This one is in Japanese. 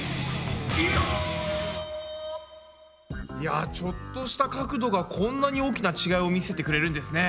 いやちょっとした角度がこんなに大きな違いを見せてくれるんですね。